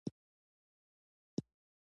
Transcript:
افغانستان له دښتې ډک دی.